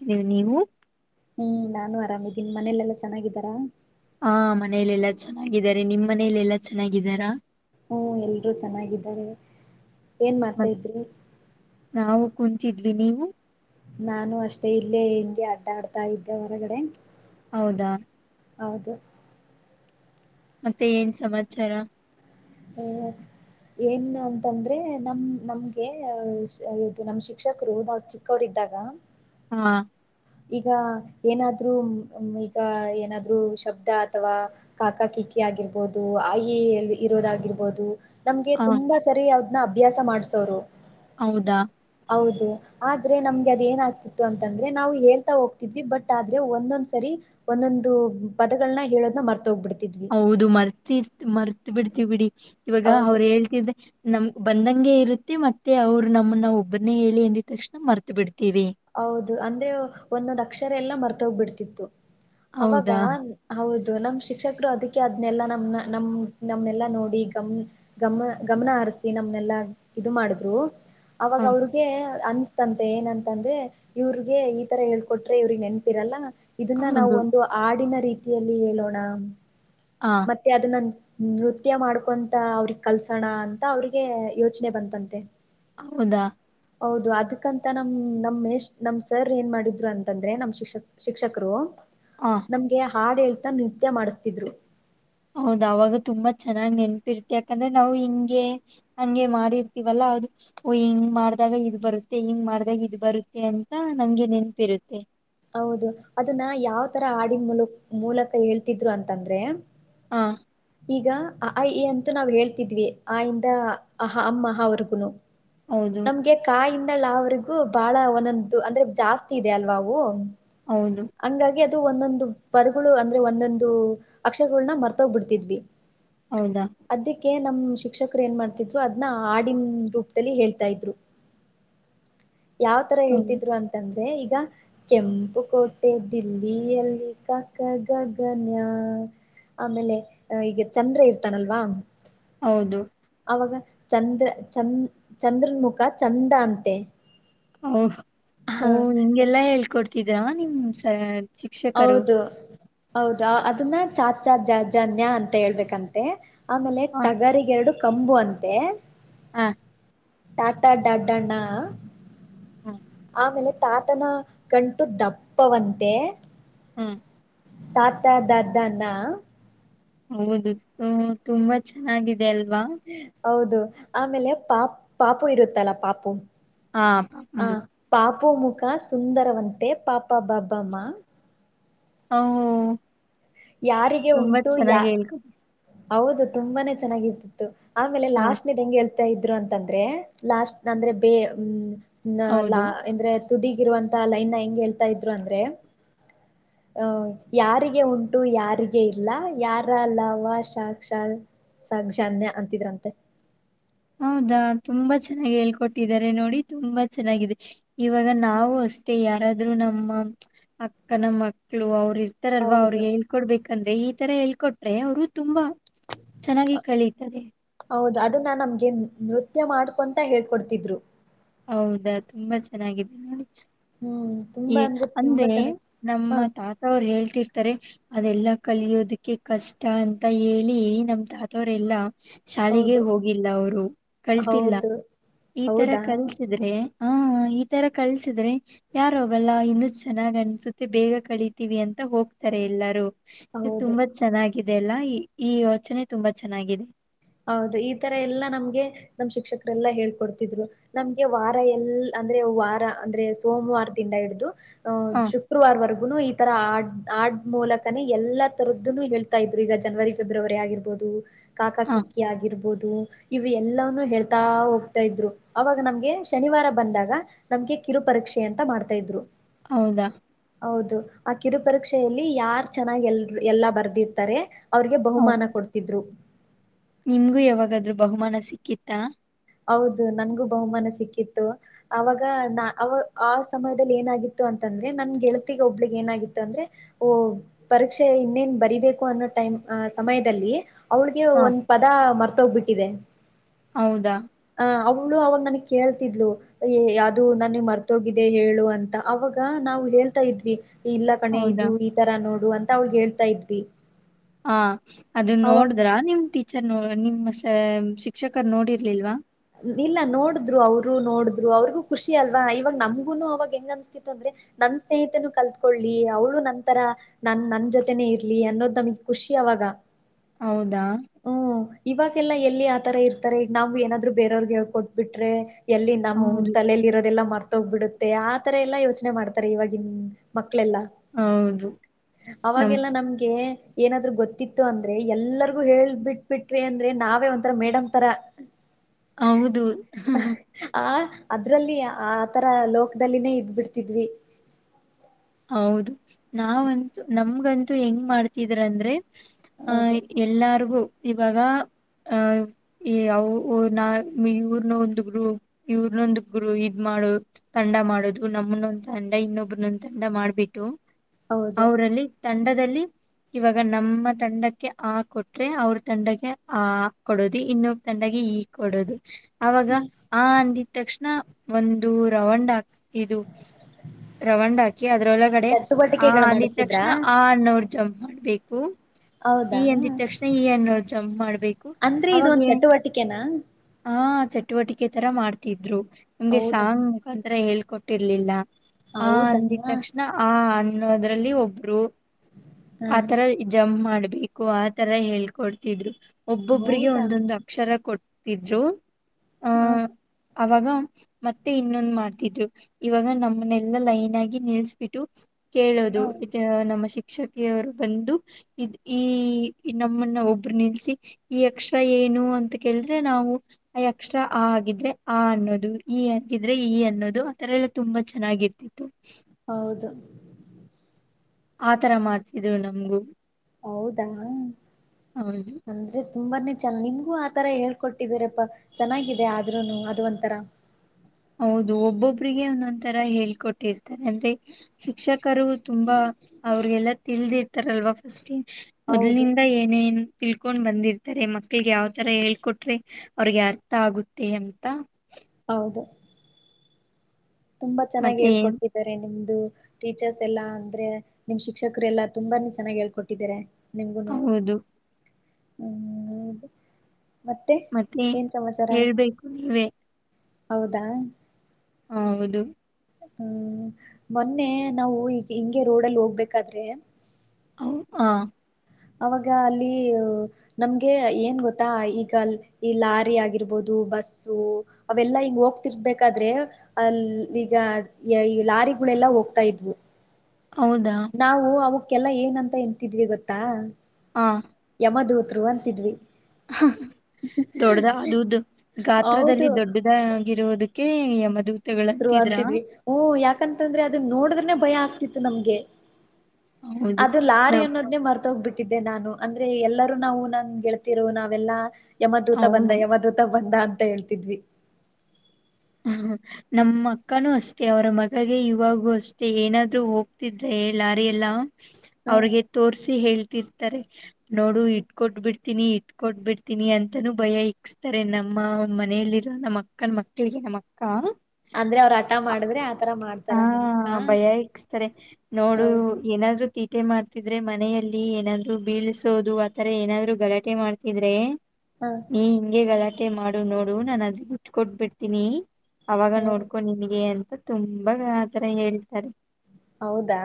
ವು ನೀವು ಹ್ಮ್ ನಾನು ಆರಾಮಿದ್ದೀನಿ ಮನೇಲೆೆಲ್ಲಾ ಚೆನ್ನಾಗಿದ್ದಾರಾ ಹಾ ಮನಲೆ ಎಲ್ಲಾ ಚೆನ್ನಾಗಿದ್ದಾರೆ ನಿಮ್ ಮನೇಲೆ ಎಲ್ಲಾ ಚೆನ್ನಾಗಿದ್ದಾರಾ ಹ್ಮ ಎಲ್ರೂ ಚೆನ್ನಾಗಿದ್ದಾರೆ ಏನ್ ಮಾಡ್ತಾತ್್ರಿ ಿದ್ವಿ ನೀವು ನಾನು ಅಷ್ಟೇ ಇಲ್ಲೇ ಹೆಂಗೆ ಅಡ್ಡಾಡ್ತಾ ಇದ್ದೆ ಹೊರಗಡೆ ಹೌದಾ ಹೌದು ಮತ್ತೆ ಏನ್ ಸಮಾಚಾರ ಹ ಏನ್ ಅಂತಂದ್ರೆ ನಮ ನಮ್ಗೆ ಇದು ನಮ್ ಶಿಕ್ಷಕರು ನಾವ್ ಚಿಕ್ಕವರಿದ್ದಾಗ ಹಾ ಈಗ ಏನಾದ್ರು ಈಗ ಏನಾದ್ರು ಶಬ್ದ ಅಥವಾ ಕಾಕಾ ಕಿಕ್ಕಿ ಆಗಿರ್ಬೋದು ಆಯಿ ಇರೋದಾಗಿಿರ್ಬೋದು ನಮ್ಗೆ ಆ ತುಂಬಾ ಸರಿ ಅಭ್ಯಾಸ ಮಾಡ್ಸೋರು ಹೌದಾ ಹೌದು ಆದ್ರೆ ನಮ್ಗೆ ಅದ ಏನ ಆ್ತಿತ್ತು ಅಂತಂದ್ರೆ ನಾವು ಹೇಳ್ತಾ ಹೋಗ್ತಿದ್ವಿ ಬಟ್ ಆದ್ರೆ ಒಂದೊಂದ್ ಸರಿ ಒಂದೊಂದು ಪದಗಳನ್ನ ಹೇಳೋದ್ ಮರ್ತ ಹೋಗ್ಬಿಡ್ತವಿ ಹೌದು ಮರ್ತಿರ್ ಮರ್ ಬಿಡ್ತವಿ ಬಿಡಿ ಇವಾಗ ಹೌದು. ಅವ್ರ ಹೇಳ್ತಿದೆ ನಮ ಬಂದಂಗೆ ಇರುತ್ತೆ ಮತ್ತೆ ಅವ್ರು ನಮ್ಮನ್ನ ಒಬ್ಬನೇ ಹೇಳಿ ಎಂದ ತಕ್ಷಣ ಮರ್ತ ಬಿಿಡ್ತಾರೆ ಹೌದು ಅಂದ್ರೆ ಒಂದೊಂದ್ ಅಕ್ಷರ ಎಲ್ಲ ಮರೆತು ಕೀತೋಗ್ಬಿಟ್ಟಿತು ಅವಾಗ ಹೌದಾ ಹೌದು ನಮ್ ಶಿಕ್ಷಕರು ಅದಕ್ಕೆ ಅದನೆಲ್ಲಾ ನಮ್ ನಮ್ ನಮ್ನೆಲ್ಲಾ ನೋಡಿ ಗಮ ಗಮ ಗಮನಹರಿಸಿ ನಮ್ನೆಲ್ಲಾ ಇದು ಮಾಡಿದ್ರು ಅವಾಗ ಹ ಅವ್ರಿಗೆ ಅನ್ನಿಸ್ತಿ ಅಂತೆ ಏನಂತೆ ಅಂದ್ರೆ ಇವ್ರಿಗೆ ಈ ತರ ಹೇಳ್ಕೊಟ್ರೆ ಇವ್ರಿಗೆ ನೆನಪಿರಲ್ಲ ಇದನ್ನ ನಾವು ಹೌದು ಒಂದು ಹಾಡಿನ ರೀತಿ ರೀತಿಯಲ್ಲಿ ಹೇಳೋಣ ಆ [inaudible] ಮತ್ತೆ ಅದು ನನ್ ನೃತ್ಯ ಮಾಡ್ಕೊಂತ ಅವ್ರಿಗೆ ಕಲ್ಸೋಣ ಅಂತ ಅವ್ರಿಗೆ ಯೋಚನೆ ಬಂತಂತೆ ಹೌದ ಹೌದು ಅದಕ್ಕಂತ ನಾ ಹ್ಮ ನಮ್ಮೇಶ್ ನಮ್ ಸರ್ ಏನ್ ಮಾಡಿದ್ರು ಅಂತಂದ್ರೆ ನಮ್ಮ್ ಶಿಕ್ಷಕ್ ಶಿಕ್ಷಕರು ಆ ನಮ್ಗೆ ಹಾಡ ಹೇಳ್ತಾ ನೃತ್ಯ ಮಾಡಿಸ್ತಿದ್ರು ಹೌದ ಅವಾಗ ತುಂಬಾ ಚೆನ್ನಾಗ್ ನೆನಪಿರ್ತಿ ಯಾಕಂದ್ರೆ ನಾವು ಹಿಂಗೆ ಹಂಗೆ ಮಾಡಿರ್ತಿವಲ್ಲ ಅದು ಹಿಂಗ್ ಮಾಡ್ದಾಗ ಇದ್ ಬರುತ್ತೆ ಹಿಂಗ್ ಮಾಡ್ದಾಗ ಇದ್ ಬರುತ್ತೆ ಅಂತ ನಮ್ಗೆ ನೆನಪಿರುತ್ತೆ ಹೌದು ಅದನ್ನ ಯಾವ ತರ ಹಾಡಿನ ಮೂಲ ಮೂಲಕ ಹೇಳ್ತಿದ್ರು ಅಂತಂದ್ರೆ ಹಾ ಈಗ ಅ ಆ ಇ ಈ ಅಂತ ನಾವ್ ಹೇಳ್ತಿದ್ವಿ ಆಯಿಂದ ಅಂ ಆಹಾ ವರ್ಗುನು ಹೌದು ನಮ್ಗೆ ಕ ಯಿಂದ ಳ ವರೆಗು ಬಹಳ ಒಂದೊಂದು ಅಂದ್ರೆ ಜಾಸ್ತಿ ಇದೆ ಅಲ್ವಾ ಅವು ಹೌದು ಹಂಗಾಗಿ ಒಂದೊಂದು ಪದಗಳು ಅಂದ್ರೆ ಒಂದೊಂದು ಅಕ್ಷಗಳನ್ನ ಮರ್ತೋಗ್ಬ ಬಿಡ್ತಿದ್ವಿ ಹೌದ ನಮ್ಮ್ ಶಿಕ್ಷಕರು ಏನ್ ಮಾಡ್ತಿದ್ರು ಅದನ್ನ ಹಾಡಿನ ರೂಪದಲ್ಲಿ ಹೇಳ್ತಾ ಇದ್ರು ಯಾವ್ ತರ ಹ್ಮ್ ಹೇಳ್ತಿದ್ರು ಅಂತಂದ್ರೆ ಈಗ ಈಗ ಕೆಂಪು ಕೋಟೆ ದಿಲ್ಲಿಯಲ್ಲಿ ಕ ಖ ಗ ಘ ನ್ಯ ಆಮೇಲೆ ಈಗ ಚಂದ್ರ ಇರ್ತಾನಲ್ವಾ ಹೌದು ಅವಾಗ ಚಂದ್ರ ಚಂದ ಚಂದ್ರನ್ ಮುಖ ಚಂದ ಅಂತೆ ಹ್ಮ್ ಓ ಹ ಹಿಂಗೆಲ್ಲಾ ಹೇಳ್ಕೊಡ್ತ ತಿದ್ರಾ ನಿಮ್ಮ ಸರ್ ಶಿಕ್ಷಕರು ಹೌದಾ ಅದನ್ನ ಚ ಛ ಜ ಝ ನ್ಯ ಅಂತ ಹೇಳ್ಬೇಕಂತೆ ಆಮೇಲೆ ಹ ಟಗರಿಗೆ ಎರಡು ಕಂಬು ಅಂತೆ ಹಾ ಟಾತಾ ಡಾಡ್ಣ ಹ ಆಮೇಲೆ ತಾತನ ಕಂಟು ದಪ್ಪವಂತೆ ಹ್ಮ್ ತಾತ ದಾದಾನ ಹೌದು ತುಂಬಾ ಚೆನ್ನಾಗಿದೆ ದಲ್ವಾ ಹೌದು ಆಮೇಲೆ ಪಾ ಪಾಪು ಇರುತ್ತಲ್ಲ ಪಾಪು. ಹಾ ಅಪ ಆ ಹ್ಮ್. ಪಾಪು ಮುಖ ಸುಂದರವಂತೆ ಪಪ ಬಬ ಮ. ಹೌ ಯಾರಿಗೆ ಉಂಟು ಯಾ ಹೇಳ್ಕೊಟ್ರು ಹೌದು ತುಂಬಾನೇ ಚೆನ್ನಾಗಿರ್ತಿತ್ತು. ಆಮೇಲೆ ಹಾ ಲಾಸ್ಟ್ ನೆದು ಎಂಗೆ ಅಂತ್ ತ ಇದ್ರು ಅಂತಂದ್ರೆ ಲಾಸ್ಟ್ ಅಂದ್ರೆ ಬೇ ಹ್ಮ. ಹೌದು ನಲ್ಲಾ ಅಂದ್ರೆ ತುದೀಗಿರುವಂತಹ ಲೈನ್ ಹೆಂಗೆೇಳ್ ತ ಇದ್ರು ಅಂದ್ರೆ ಹ ಯಾರಿಗೆ ಉಂಟು ಟು ಯಾರಿಗೆ ಇಲ್ಲ ಯಾರಲವಶಕ್ಷಾ ಸಕ್ಷ್ರಜ್ಞ ಅಂತಿದ್ರಂತೆ. ಹೌದಾ ತುಂಬಾ ಚೆನ್ನಾಗಿ ಹೇಳ್ಕೊಟ್ಟಿದ್ದಾರೆ ನೋಡಿ ತುಂಬಾ ಚೆನ್ನಾಗಿದೆ ಇವಾಗ ನಾವು ಅಷ್ಟೇ ಯಾರಾದ್ರೂ ನಮ್ಮ ಅಕ್ಕ ನಮ್ಮ ಮಕ್ಳು ಅವ್ರ ಇದ್ ಇರ್ತಾರಲ್ವಾ ಹೌದು ಅವ್ರಿಗೆ ಹೇಳ್ಕೊಡ್ಬೇಕಂದ್ರೆ ಇ ತರ ಹೇಳ್ಕೊಟ್ರೆ ಅವ್ರು ತುಂಬಾ. ಚೆನ್ನಾಗಿ ಕಳೆಯಿತಾರೆ. ಹೌದು ಅದನ್ನ ನಮ್ಗೆ ನೃತ್ಯ ಮಾಡ್ಕೊಂತ ಹೇಳ್ಕೊಡ್ತಿದ್ರು. ಹೌದಾ ತುಂಬಾ ಚೆನ್ನಾಗಿದೆ ನೋ ಹ್ಮ್ ಏ ತುಂಬಾ ಅಂದ್ರೆ ತುಂಬಾ ಚೆನ್ನಾಗಿ ನಮ್ಮ ಹ ತಾತ ಅವ್ರು ಹೇಳ್ತಿರ್ತಾರೆ. ಅದೆಲ್ಲ ಕಲಿಯೋದಕ್ಕೆ ಕಷ್ಟ ಅಂತ ಹೇಳಿ ನಮ್ಮ ತಾತವರೆಲ್ಲ. ಶಾಲೆಗೆ ಹೌದು ಹೋಗಿಲ್ಲ ಅವರು ಕಳ್ತಿಲ್ಲ ಹೌದು ಈ ತರ. ಹೌದಾ ಕಲಿಸಿದ್ರೆ ಹಾ ಈ ತರ ಕಳ್ಸಿದ್ರೆ ಯಾರೋಗಲ್ಲ ಇನ್ನು ಚೆನ್ನಾಗ್ ಅನ್ಸುತ್ತೆ ಬೇಗ ಕಳಿತೀವಿ ಅಂತ ಹೋಗ್ತಾರೆ ಎಲ್ಲಾರು. ಇದು ಹೌದು. ತುಂಬಾ ಚೆನ್ನಾಗಿ. ಇದೆಲ್ಲ ಈ ಈ ಯೋಚನೆ ತುಂಬಾ ಚೆನ್ನಾಗಿದ್. ಹೌದು ಈ ತರ ಎಲ್ಲಾ ನಮ್ಗೆ ನಮ ಶಿಕ್ಷಕರೆಲ್ಲಾ ಹೇಳ್ಕೊಡ್ತಿದ್ರು ನಮ್ಗೆ ವಾರ ಎಲ್ ಅಂದ್ರೆ ವಾರ ಅಂದ್ರೆ ಸೋಮವಾರದಿಂದ ಹಿಡ್ದು. ಹ ಶುಕ್ರವಾರವರೆಗುನು ಈ ತರ ಆ. ಆಡ್ ಮೂಲಕನೇ ಎಲ್ಲಾ ತರದ್ದುನು ಹೇಳ್ತಾ ಇದ್ರು ಈಗ ಜನವರಿ ಫೆಬ್ರವರಿ ಆಗಿರ್ಬೋದು. ಕಾಕಾ ಹ ಕಿಕೀ. ಆಗಿರ್ಬೋದು ಇವ ಎಲ್ಲಾ ನೂ ಹೇಳ್ತಾ ಹೋಗ್ತಾ ಇದ್ರು ಅವಾಗ ನಮ್ಗೆ ಶನಿವಾರ ಬಂದಾಗ ನಮ್ಗೆ ಕಿರು ಪರೀಕ್ಷೆ ಅಂತ ಮಾಡ್ತಾ ಇದ್ರು. ಹೌದಾ ಹೌದು ಆ ಕಿರು ಪರೀಕ್ಷೆಯಲ್ಲಿ ಯಾರ್ ಚೆನ್ನಾಗಿ ಎಲ್ ಎಲ್ಲಾ ಬರ್ದಿರ್ತಾರೆ. ಅವ್ರಿಗೆ ಹ ಬಹುಮಾನ ಕೊಡ್ತಿದ್ರು. ನಿಮ್ಗೂ ಯಾವಾಗಾದ್ರು ಬಹುಮಾನ ಸಿಕ್ಕಿತ್ತಾ. ಹೌದು ನನ್ಗೂ ಬಹುಮಾನ ಸಿಕ್ಕಿತ್ತು ಅವಾಗ ನ ಅವ ಆ ಸಮಯದಲ್ಲಿ ಏನಾಗಿತ್ತು ಅಂತಂದ್ರೆ ನನ್ ಗೆಳತಿಗೆ ಒಬ್ಳಗ್ ಏನಾಗಿತ್ತು ಅಂದ್ರೆ ಓ ಪರೀಕ್ಷೆ ಇನ್ನೇನ್ ಬರಿಬೇಕು ಅನ್ನೋ ಟೈಮ್ ಅ ಸಮಯದಲ್ಲಿ. ಅವಳಿಗೆ ಹ ಒಂದ್ ಪದ ಮರ್ತ ತೋಗ್ಬಿಟ್ಟಿದೆ ಹೌದಾ ಅವ್ಳು ಅವನ್ ನನ್ಗ್ ಕೇಳ್ತಿದ್ಲು ಯಾವ್ದದು ನನ್ಗ್ ಮರ್ತೋಗಿದೆ ಹೇಳು ಅಂತ ಅವಾಗ ನಾವು ಹೇಳ್ತಾ ಇದ್ವಿ ಇಲ್ಲ ಕಣೆ ಹೌದಾ ಇದು ಈ ತರ ನೋಡ ಅಂತ ಅವಳ್ಗ್ ಹೇಳ್ತಾ ಇದ್ವಿ ಹ ಅದ ಅವಾಗ ನೋಡಿದ್ರ ನಿಮ ಸರ್ ನೋ ನಿಮ್ಮಸ ಶಿಕ್ಷಕರು ನೋಡಿರ್ಲಿಲ್ವಾ ಇಲ್ಲ ನೋಡಿದ್ರು ಅವರು ನೋಡಿದ್ರು ಅವ್ರಿಗೂ ಖುಷಿ ಅಲ್ವಾ ಇವಾಗ ನಮ್ಗುನು ಅವಾಗ ಹೆಂಗ್ ಅನ್ಸ್ತಿತ್ತು ಅಂದ್ರೆ ನನ್ ಸ್ನೇಹಿತನೂ ಕಲ್ತ್ಕೊಳ್ಲಿ ಅವ್ಳು ನನ್ಂತರ ನನ್ ನನ್ ಜೊತೆನೇ ಇರ್ಲಿ ಅನ್ನೋದ್ ನಮಗ್ ಖುಷಿ ಅವಾಗ ಹೌದು ಡ ಇವಾಗೆಲ್ಲಾ ಎಲ್ಲಿ ಆತರ ಇರ್ತಾರೆ ಈಗ ನಾವ್ ಏನಾದ್ರು ಬೇರವ್ರಗೆ ಹೇಳ್ಕೊಟ್ಬಿಟ್ರೆ ಎಲ್ಲಿ ನಮ್ ಹೌದು ತಲಲಿ ಇರೋದೆಲ್ಲಾ ಮ್ತ ತೋಗ್ಬಿಡುತ್ತೆ ಆತರ ಎಲ್ಲಾ ಯೋಚನೆ ಮಾಡ್ತಾರೆ ಇವಾಗಿನ್ ಮ ಕ್ಲ್ಲ ಹೌದು ನಮ್ ಅವಾಗೆಲ್ಲ ನಮ್ಗೆ ಏನಾದ್ೂ ಗೊತ್ತಿತ್ತು ಅಂದ್ರೆ ಎಲ್ಲರೂ ಹಬಿಟ್ ಬಿಿಟ್್ರವಿ ಅಂದ್ರೆ ನಾವೇ ಒಂಥರ ಮೇಡಮ್ ತರ ಹೌದು ಆ ಅದ್ರಲ್ಲಿ ಆತರ ಲೋಕದಲ್ಲಿನೇ ಇದ್ ಬಿಡ್ತಿದ್ವಿ ಹೌದು ನಾವಂತೂ ನಮಗಂತ ದು ಹೆಂಗ್ ಮಾಡ್ತಿದ್ರ ಅಂದ್ರೆ ಆಹ ಹೌದು ಎಲ್ಲಾರಿಗು ಇವಾಗ ಅಹ ಯ ನಾ ಇವ್ರನ ಒಂದು್ ಗುರು ಇವ್ರನೊಂದ ಗುರು ಇದ್ ಮಾಡೋ ತಂಡ ಮಾಡೋುದು ನಮ್ಮನ್ನೊಂದ ತಂಡ ಇನ್ನೊಬ್ರನೊಂದ ದಂಡ ಮಾಡ್ಬಿಟ್ಟು ಹೌದು ಅವರಲ್ಲಿ ತಂಡದಲ್ಲಿ ಇವಾಗ ನಮ್ಮ ತಂಡಕ್ಕೆ ಆ ಕೊಟ್ರೆ ಅವ್ರ ತಂಡಗೆ ಆ ಕೊಡೋದು ಇನ್ನೊಬ್ಬ ತಂಡಗೆ ಈ ಕೊಡೋದು ಅವಾಗ ಆ ಅಂದಿದ್ದ ತಕ್ಷಣ ಒಂದು ರವಂಡಾ ಇದು ರವಂಡಾ ಕಿ ಅದ್ರೊಳಗಡೆ ಆ ಚಟುವಟಿಕೆಗಳ ಅಂದಿದ ಮಾಡಿಸ್ತಿದ್ರಾ ತಕ್ಷಣ ಆ ಅನ್ನವ್ರ ಜಂ ಮಾಡ್ಬೇಕು ಈ ಹೌದಾ ಅಂದಿದ ತಕ್ಷಣ ಈ ಅನ್ನೋ ಜಂಪ್ ಮಾಡ್ಬೇಕು ಅಂದ್ರೆ ಇದು ಒಂದ್ ಅವಾಗೇ ಚಟುವಟಿಕೆನಾ ಹ ಚಟುವಟಿಕೆ ತರ ಮಾಡ್ತಿದ್ರು ನಮ್ಗೆ ಹೌದಾ ಸಾಂಗ್ ಮುಖಾಂತತ್ರ ಹೇಳೇ ಕೊಟ್ಟಿರ್ಲಿಲ್ಲ ಹೌದಾ ತಕ್ಷಣ ಆ ಅನ್ನೋದ್ರಲ್ಲಿ ಒಬ್ರು ಹ ಆತರ ಜಂಪ್ ಮಾಡ ಮಾಡಬೇಕು ಆತರ ಹೇಳ್ಕೊಡ್ತಿದ್ರು. ಒಬ್ಬೊಬ್ರರಿಗೆ ಹೌದಾ ಒಂದೊಂದು ಅಕ್ಷರ ಕೊಟ್ಟ ಇದ್ರೂ ಹ ಅವಾಗ ಮತ್ತೆ ಇನ್ನೊಂದುಮಾಡ್ತಿದ್ರು ಇವಾಗ ನಮ್ಮನೆೆಲ್ಲಾ ಲೈನ್ ಆಗಿ ನಿಲ್ಸ್ಬಿಟ್ಟು ಕೇಳೋದು ನಮ್ಮ ಶ ಶಿಕ್ಷಕಿಯವರು ಬಂದು ಇದ್ ಈ ನಮ್ಮನ್ನ ಒಬ್ರು ನಿಲ್ಸಿ ಈ ಅಕ್ಷರ ಏನು ಅಂತ ಕೇಳಿದ್ರೆ ನಾವು ಆ ಅಕ್ಷರ ಆ ಆಗಿದ್ರೆ ಆ ಅನ್ನೋದು ಈ ಆಗಿದ್ರೆ ಈ ಅನ್ನೋದು ಆ ತರ ಎಲ್ಲ ತುಂಬಾ ಚೆನ್ನಾಗಿರ್ತಿತ್ತು. ಹೌದು. ಆತರ ಮಾಡ್ತಿದ್ರು ನಮ್ಗು ಹೌದಾ ಹೌದು ಅಂದ್ರೆ ತುಂಬಾನೇ ಚ ನಿಮ್ಗೂ ಆತರ ಹೇಳ್ಕೊಟ್ಟಿದ್ದೀರಪ್ಪಾ ಚೆನ್ನಾಗಿದೆ ಆದ್ರೂನು ಅದು ಒಂಥರ. ಹೌದು ಒಬ್ಬೊಬ್ರಿಗೆ ಒಂದೊಂದ ತರ ಹೇಳ್ಕೊಟ್ಟಿರ್ತಾರೆ ಅಂದ್ರೆ ಶಿಕ್ಷಕರು ತುಂಬಾ ಅವ್ರಿಗೆಲ್ಲ ತಿಲ್ದಿ ತರಲ್ವಾ ಫಸ್ಟ್ಲಿ ಹೌದು ಮೊದ್ಲಿನಿಂದ ಏನೇನ್ ತಿಳ್ಕೊಂಡ್ ಬಂದಿರ್ತಾರೆ ಮಕ್ಳಿಗೆ ಯಾವ್ತರ ಹೇಳ್ಕೊಟ್ರೆ ಅವ್ರಿಗೆ ಅರ್ಥ ಆಗುತ್ತೆ ಅಂತ ಹೌದು ತುಂಬಾ ಚೆನ್ನಾಗಿ ಮತ್ತೆ ಏನ್ ಹೇಳ್ಕೊಡ್ತಿದ್ದಾರೆ ನಿಮ್ಗೆ ಟೀಚರ್ಸ್ ಎಲ್ಲಾ ಅಂದ್ರೆ ನಿಮ್ ಶಿಕ್ಷಕರು ಎಲ್ಲಾ ತುಂಬಾನೇ ಚೆನ್ನಾಗ್ ಹೇಳ್ಕೊಟ್ಟಿದಿದ್ದಾರೆ. ಹೌದು. ಹ್ಮ ಮತ್ತೆ ಹೇಳ್ಬೇಕು ನೀವೇ ಹೌದಾ ಹೌದು. ಹ್ಮ್ ಮೊನ್ನೆ ನಾವು ಈಗ ಹಿಂಗೆ ರೋಡಲ್ಲಿ ಹೋಗ್ಬೇಕಾದ್ರೆ ಹಾ ಅವಾಗ ಅಲ್ಲಿ ನಮ್ಗೆ ಏನ್ ಗೊತ್ತಾ ಈಗ ಈ ಲಾರಿ ಆಗಿರ್ಬೋದು, ಬಸ್ಸು ಅವೆಲ್ಲಾ ಹಿಂಗ ಹೋಗ್ತಿರ್ಬೇಕಾದ್ರೆ ಅಲ್ಲಿ ಈಗ ಈ ಲಾರಿಗಳೆಲ್ಲಾ ಹೋಗ್ತಾ ಇದ್ವು. ಹೌದಾ ನಾವು ಅವ ಎಲ್ಲಾ ಏನಂತ ಎಂತಿದ್ವಿ ಗೊತ್ತಾ ಹಾ ಮದ್ ಹತ್ರು ಅಂತಿದ್ವಿ. ದೊಡ್ಡದ ಅದುದು ಗಾತ್ರದಲ್ಲಿ ಹೌದು ದೊಡ್ಡದ ಆಗಿರುವುದ ಕೆಗೆ ಮದು ಅಂತಿದ್ವಿ ಹೂ ಯಾಕಂತಂದ್ರೆ ಅದನ್ನ ನೋಡಿದ್ರೆ ಭಯ ಆಗ್ತ ನಮ್ಗೆ ಹೌದು ಅದು ಲಾರಿ ನಮ್ ಅನ್ನೋದನೇ ಮಾರ್ತೋಗ್ಬಿಟ್ಟು ಕೊಟ್ಟಿದ್ದೆ ನಾನು ಅಂದ್ರೆ ಎಲ್ಲರೂ ನಾವು ನನ್ ಗೆಳತಿಯರು ನಾವೆಲ್ಲಾ ಯಮದೂತ ಬಂದ ಹೌದು ಯಮದೂತ ಬಂದ ಅಂತ ಹೇಳ್ತಿದ್ವಿ ಹಾ ನಮ್ಮ ಅಕ್ಕನೂ ಅಷ್ಟ ಮತ್ತೆ ಅವರ ಮಗೆ ಇವಾಗೂ ಅಷ್ಟೇ ಏನಾದ್ರೂ ಹೋಗ್ತಿದ್ರೆ ಲಾರಿ ಎಲ್ಲ ಹ ಅವ್ರಿಗೆ ತೋರ್ಸಿ ಹೇಳ್ತಿರ್ ನೋಡು ಇಟ್ಕೊಟ್ ಬಿಡ್ತೀನಿ ಇಟ್ಕೊಟ್ ಬಿಡ್ತೀನಿ ಅಂತನೂ ಭಯ ಇಕ್ಸ್ತಾರೆ ನಮ್ಮ ಮನಲಿರೋ ನಮ್ಮ್ ಅಕ್ಕನ್ ಮಕ್ಕ ನಮ್ಮ ಅಕ್ಕ ಅಂದ್ರೆ ಅವ್ರು ಮಾಡಿದ್ರೆ ಆತರ ಹಾ ಮಾಡ್ತಾರ ನಿಮಕ್ಕ ಭಯ ಇಕ್ಸ್ತಾರೆ ನೋಡು ಹೌದು ಏನಾದ್ರು ತೀಟೆ ಮಾಡ್ತಿದ್ರೆ ಮನೆಯಲ್ಲಿ ಏನಾದ್ರು ಬೀಳ್ಸೋದು ಆತರ ಏನಾದ್ರು ಗಲಾಟೆ ಮಾಡ್ತಿದ್ರೆ ಹ ನೀನ್ ಹಿಂಗೆ ಗಲಾಟೆ ಮತ್ತೆ ಮಾಡು ನೋಡು ನಾನು ಅದ್ ಇಟ್ಕೊಡ್ಬಿಡ್ತೀನಿ ಬಿಡ್ತೀನಿ ಅವಾಗ ಹ ನೋಡ್ಕೊ ನಿನ್ಗೆ ಅಂತ [unintelligible] ಇವಾಗ್ ಆತರ ಹೇಳ್ತಾರೆ ಹೌದಾ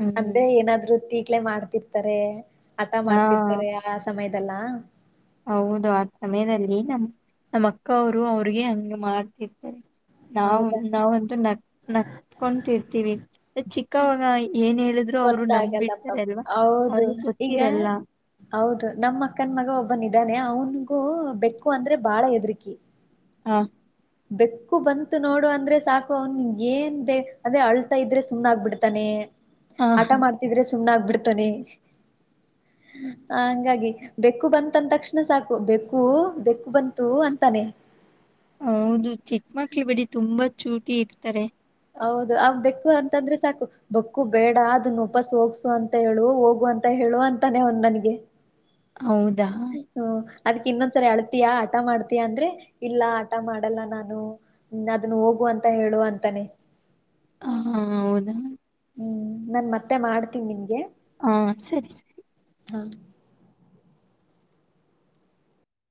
ಹ್ಮ್ ಅಂದ್ರೆ ಏನಾದ್ರು ತೀಟ್ಲೆ ಮಾಡ್ತಿರ್ [unintelligible] ಆಟ ಹಾ ಮಾಡ್ತಿರ್ತಾರೆ ಆ ಸಮಯದ [unintelligible] ಹೌದು ಆ ಸಮಯದಲ್ಲಿ ನಮ್ಮ್ ನಮ್ಮ ಅಕ್ಕ ಅವ್ರು ಅವ್ರಿಗೆ ಹಂಗ್ ಮಾಡ್ತಿರ್ತಾರೆ ನಾವು ಹೌದಾ ನಾವಂತೂ ನಟ್ಕೊಂತಿರ್ತಿವಿ ಚಿಕ್ಕವಾಗ ಏನ್ ಹೇಳಿದ್ರು ಅವರು ಗೊತ್ತಾಗಲ್ಲಪ್ಪ ನಂಬಿಡ್ತಾರೆ ಅಲ್ವಾ ಹೌದು ಅವ್ರಿಗೆ [inaudible] ಈಗ ಗೊತ್ತಿರಲ್ಲ ಹೌದು ನಮ್ಮ ಅಕ್ಕನ್ ಮಗ ಒಬ್ಬನಿದ್ದಾನೆ ಅವನು ಬೆಕ್ಕು ಅಂದ್ರೆ ಬಾಳ ಎದ್ರುಕಿ ಹಾ ಬೆಕ್ಕು ಬಂತು ನೋಡು ಅಂದ್ರೆ ಸಾಕು ಅವ್ನು ಏನ್ ಅದೇ ಅಳ್ತಾ ಇದ್ರೆ ಸುಮ್ ಆಗಬಿಡ್ತಾನೆ ಆ, ಹಠ ಮಾಡ್ತಿದ್ರೆ ಸುಮ್ನೆ ಆಗ್ಬಿಡ್ತಾನೆ [inaudible] ಹಂಗಾಗಿ ಬೆಕ್ಕು ಬಂತಂದ ತಕ್ಷಣ ಸಾಕು ಬೆಕ್ಕು ಬೆಕ್ಕು ಬಂತು ಅಂತಾನೆ ಹೌದು ಚಿಕ್ಕ ಮಕ್ಳು ಬಿಡಿ ತುಂಬಾ ಚೂಟಿ ಇರ್ತಾರೆ. ಹೌದು ಅವ ಬೆಕ್ಕು ಅಂತಂದ್ರೆ ಸಾಕು ಬಕ್ಕು ಬೇಡ ಅದನ್ನು ಉಪಸ್ ಹೋಗ್ಸು ಅಂತ ಹೇಳು, ಹೋಗುವ ಅಂತ ಹೇಳುವ ಅಂತಾನೆ ಅವ್ನು ನನ್ಗೆ. ಹೌದಾ ಹ ಅದಕ್ ಇನ್ನೊಂದ್ಸರಿ ಅಳ್ತಿಯಾ ಹಟ ಮಾಡ್ತಿಯ ಅಂದ್ರೆ ಇಲ್ಲ ಹಟ ಮಾಡಲ್ಲ ನಾನು ಅದನ್ ಹೋಗು ಅಂತ ಹೇಳು ಅಂತಾನೆ. ಹ ಹಾ ಹೌದಾ ಹ್ಮ್ ನಾನ್ ಮತ್ತೆ ಮಾಡ್ತೀನಿ ನಿಮಗೆ. ಹಾ ಸರಿ ಸರಿ ಹಾ